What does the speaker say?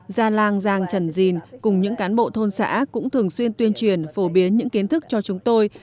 gia lang giang trần dìn cùng những cán bộ thôn xã cũng thường xuyên tuyên truyền phổ biến những kiến thức cho chúng tôi